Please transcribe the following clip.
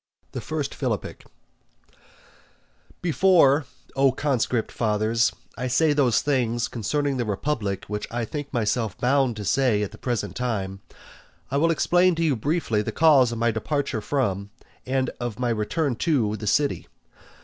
I. Before, O conscript fathers, I say those things concerning the republic which I think myself bound to say at the present time, I will explain to you briefly the cause of my departure from, and of my return to the city.